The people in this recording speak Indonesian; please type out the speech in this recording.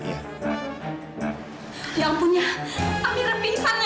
ya ampun ya amira pingsannya